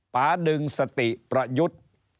ปาดึงสติประยุทธ์